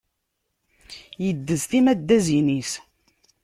Iddez timaddazin-is.